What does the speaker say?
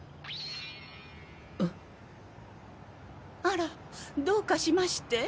あらどうかしまして？